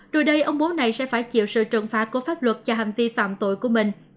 rồi đây ông bố này sẽ phải chịu sự trừng phạt của pháp luật cho hành vi phạm tội của mình